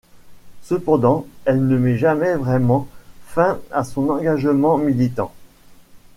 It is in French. Cependant, elle ne met jamais vraiment fin à son engagement militant.